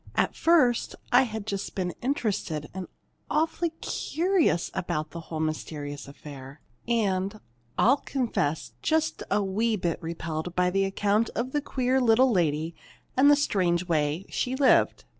At first, I had just been interested and awfully curious about the whole mysterious affair, and, I'll confess, just a wee bit repelled by the account of the queer little lady and the strange way she lived.